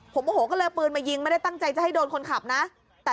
ผมโอโหก็เลยเอาปืนมายิงไม่ได้ตั้งใจจะให้โดนคนขับนะ